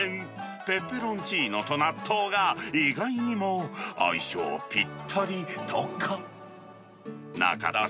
ペペロンチーノと納豆が、意外にも相性ぴったりとか。